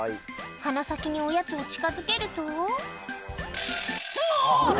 鼻先におやつを近づけると「うお！